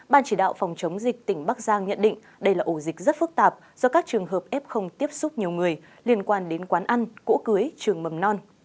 ban chỉ đạo phòng chống dịch tỉnh bắc giang nhận định đây là ổ dịch rất phức tạp do các trường hợp f tiếp xúc nhiều người liên quan đến quán ăn cỗ cưới trường mầm non